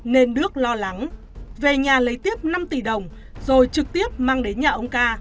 nên đức lo lắng về nhà lấy tiếp năm tỷ đồng rồi trực tiếp mang đến nhà ông ca